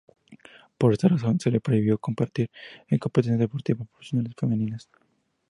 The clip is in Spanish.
Por esa razón se le prohibió competir en competencias deportivas profesionales femeninas.